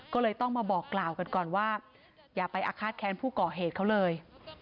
ก็เลยต้องมาบอกกล่าวกันก่อนว่าอย่าไปอาฆาตแค้นผู้ก่อเหตุเขาเลย